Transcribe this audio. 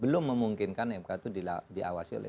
belum memungkinkan mk itu diawasi oleh